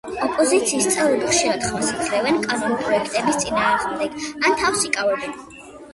ოპოზიციის წევრები ხშირად ხმას აძლევდნენ კანონპროექტების წინააღმდეგ ან თავს იკავებდნენ.